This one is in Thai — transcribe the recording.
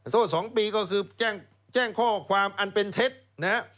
โทษ๒ปีก็คือแจ้งข้อความอันเป็นเท็จนะฮะ